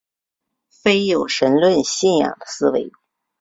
非有神论信仰的思维。